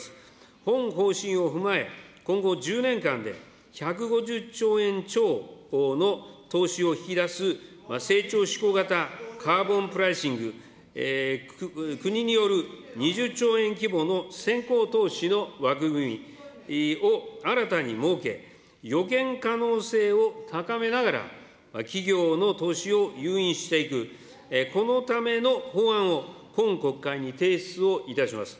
本方針を踏まえ、今後１０年間で１５０兆円超の投資を引き出す成長志向型カーボンプライシング、国による２０兆円規模の先行投資の枠組みを新たに設け、予見可能性を高めながら、企業の投資を誘引していく、このための法案を今国会に提出をいたします。